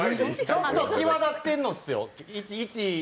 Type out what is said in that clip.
ちょっと際だってんのすよ。